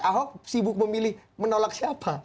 ahok sibuk memilih menolak siapa